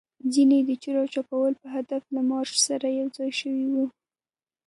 ځینې يې د چور او چپاول په هدف له مارش سره یوځای شوي وو.